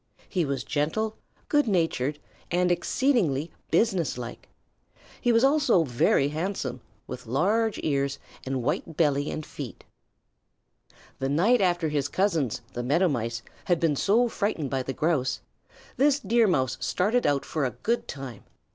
He was gentle, good natured, and exceedingly businesslike. He was also very handsome, with large ears and white belly and feet. The night after his cousins, the Meadow Mice, had been so frightened by the Grouse, this Deer Mouse started out for a good time.